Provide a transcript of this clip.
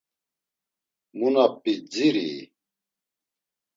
Mu na p̌i dzirii?